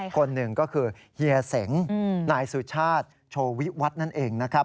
คนหนึ่งก็คือเฮียเสงนายสุชาติโชวิวัฒน์นั่นเองนะครับ